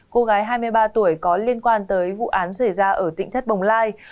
cô gái hai mươi ba tuổi có liên quan tới vụ án xảy ra ở tỉnh thất bồng lai